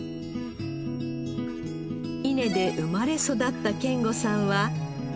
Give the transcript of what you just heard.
伊根で生まれ育った賢吾さんは